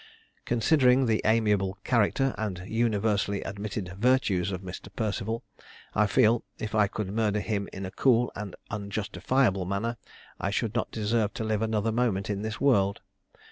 Considering the amiable character and universally admitted virtues of Mr. Perceval, I feel, if I could murder him in a cool and unjustifiable manner, I should not deserve to live another moment in this world.